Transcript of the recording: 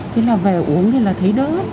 thế là về uống thì là thấy đỡ